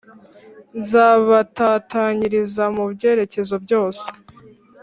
Nzabatatanyiriza mu byerekezo byose